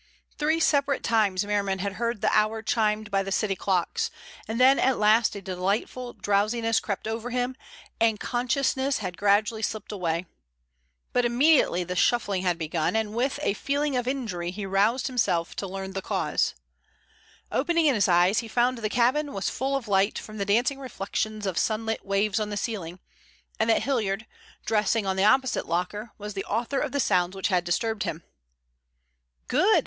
Three separate times Merriman had heard the hour chimed by the city clocks, and then at last a delightful drowsiness crept over him, and consciousness had gradually slipped away. But immediately this shuffling had begun, and with a feeling of injury he roused himself to learn the cause. Opening his eyes he found the cabin was full of light from the dancing reflections of sunlit waves on the ceiling, and that Hilliard, dressing on the opposite locker, was the author of the sounds which had disturbed him. "Good!"